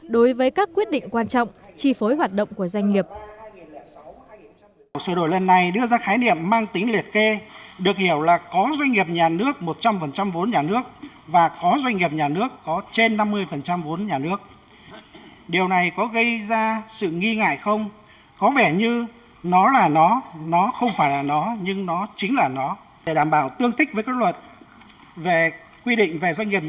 đối với các quyết định quan trọng chi phối hoạt động của doanh nghiệp